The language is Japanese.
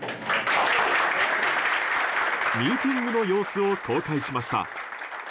ミーティングの様子を公開しました。